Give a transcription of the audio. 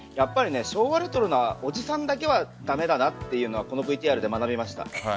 昭和レトロなおじさんだけは駄目だなというのはこのＶＴＲで学びました。